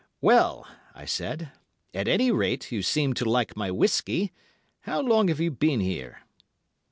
"Well," I said, "at any rate you seem to like my whiskey. How long have you been here?"